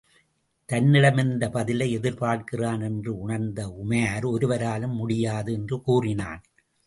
தன்னிடமிருந்து, பதிலை எதிர்பார்க்கிறான் என்று உணர்ந்த உமார் ஒருவராலும் முடியாது என்று கூறினான்.